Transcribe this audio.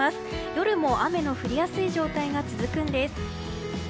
夜も雨の降りやすい状態が続くんです。